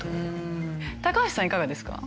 橋さんいかがですか？